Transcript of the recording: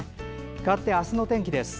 かわって明日の天気です。